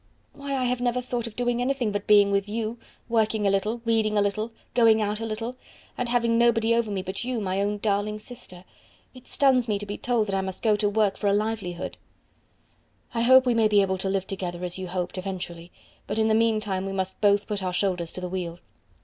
"Why, I have never thought of doing anything but being with you, working a little, reading a little, going out a little, and having nobody over me but you, my own darling sister. It stuns me to be told that I must go to work for a livelihood." "I hope we may be able to live together as you hoped, eventually; but in the meantime we must both put our shoulders to the wheel."